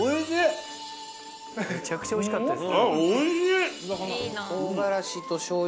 めちゃくちゃ美味しかったです。